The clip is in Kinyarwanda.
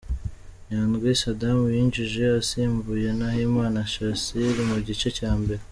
Nyandwi Saddam yinjiye asimbuye Nahimana Shassir mu gice cya mbere